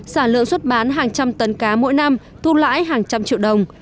sản lượng xuất bán hàng trăm tấn cá mỗi năm thu lãi hàng trăm triệu đồng